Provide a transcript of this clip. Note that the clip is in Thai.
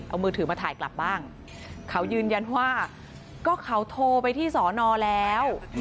เอามือถือมาถ่ายกลับบ้างเขายืนยันว่าก็เขาโทรไปที่สอนอแล้ว